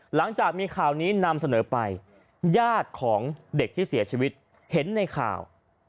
หลังจากมีข่าวนี้นำเสนอไปญาติของเด็กที่เสียชีวิตเห็นในข่าว